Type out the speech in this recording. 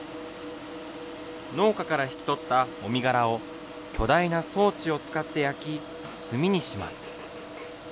農家から引き取ったもみ殻を、巨大な装置を使って焼き、炭にします。